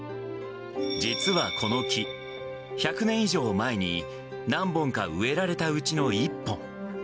実はこの木、１００年以上前に、何本か植えられたうちの１本。